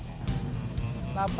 kenapa badrun menang tukang pipit